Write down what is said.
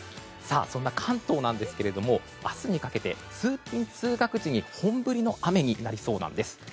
そんな関東ですが明日にかけて通勤・通学時に本降りの雨になりそうなんです。